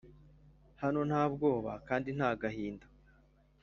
hano nta bwoba kandi nta gahinda;